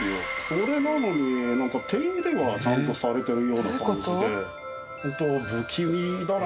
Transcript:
それなのになんか手入れはちゃんとされてるような感じで。